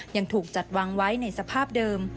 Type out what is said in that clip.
ยังถูกจัดวางไว้ในสภาพเดิม